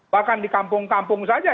bahkan di kampung kampung saja